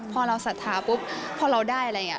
พอเราศรัทธาปุ๊บพอเราได้อะไรอย่างนี้